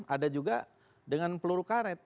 ada juga dengan peluru karet